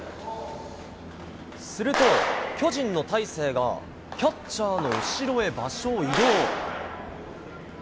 すると、巨人の大勢が、キャッチャーの後ろへ場所を移動。